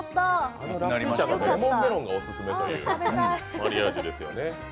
あのラッピー茶にはレモンメロンがオススメというマリアージュですよね。